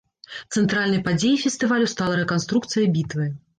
Цэнтральнай падзеяй фестывалю стала рэканструкцыя бітвы.